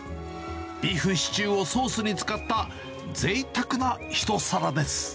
ビーフシチューをソースに使ったぜいたくな一皿です。